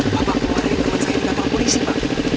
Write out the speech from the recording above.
bapak keluarin temen saya di kantor polisi pak